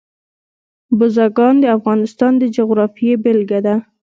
بزګان د افغانستان د جغرافیې بېلګه ده.